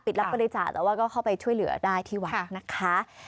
ปิดรับบริจาคนะคะก็เราเข้าไปช่วยเหลือได้อีกนะคะ